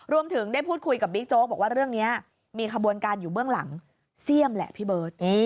รวมถึงได้พูดคุยกับบิ๊กโจ๊กบอกว่าเรื่องนี้มีขบวนการอยู่เบื้องหลังเสี่ยมแหละพี่เบิร์ต